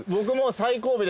最後尾で。